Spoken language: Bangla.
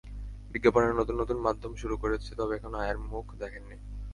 বিজ্ঞাপনের নতুন নতুন মাধ্যম শুরু করেছে, তবে এখনো আয়ের মুখ দেখেনি।